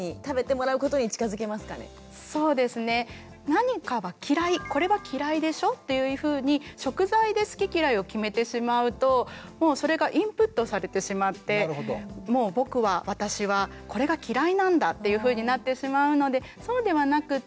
何かは嫌いこれは嫌いでしょっていうふうに食材で好き嫌いを決めてしまうともうそれがインプットされてしまってもう僕は私はこれが嫌いなんだっていうふうになってしまうのでそうではなくっ